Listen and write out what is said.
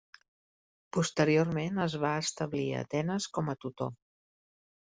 Posteriorment es va establir a Atenes com a tutor.